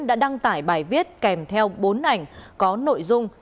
đã đăng tải bài viết kèm theo bốn ảnh có nội dung